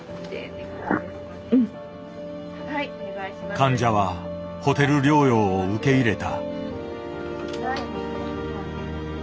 患者はホテル療養を受け入れた。